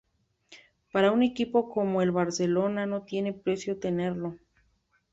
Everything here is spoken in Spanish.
Para un equipo como el Barcelona no tiene precio tenerlo.